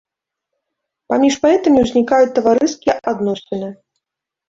Паміж паэтамі узнікаюць таварыскія адносіны.